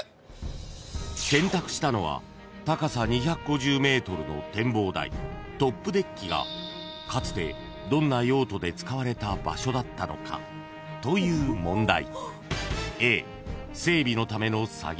［選択したのは高さ２５０ｍの展望台トップデッキがかつてどんな用途で使われた場所だったのかという問題］